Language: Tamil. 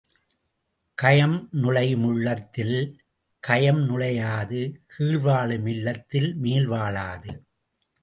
கயம் நுழையும் உள்ளத்தில் கயம் நுழையாது கீழ் வாழும் இல்லத்தில் மேல் வாழாது!